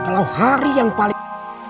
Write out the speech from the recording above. kalau hari yang paling